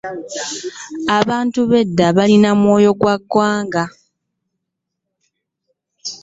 Abantu bedda balina omwoyo gw'egwanga .